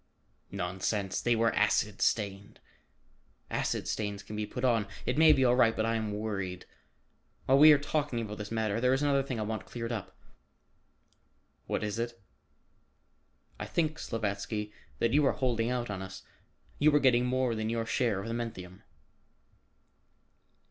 "Nonsense, they were acid stained." "Acid stains can be put on. It may be all right, but I am worried. While we are talking about this matter, there is another thing I want cleared up." "What is it?" "I think, Slavatsky, that you are holding out on us. You are getting more than your share of the menthium."